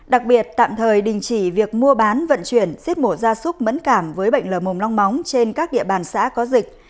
đặc biệt tạm thời đình chỉ việc mua bán vận chuyển giết mổ ra súc mẫn cảm với bệnh lở mồm long móng trên các địa bàn xã có dịch